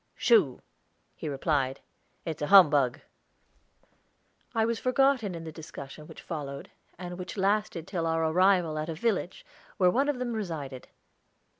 "Shoo!" he replied, "it's a humbug." I was forgotten in the discussion which followed, and which lasted till our arrival at a village, where one of them resided.